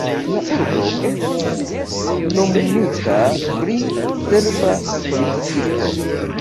La urbo estis nomumita pri serba politikisto.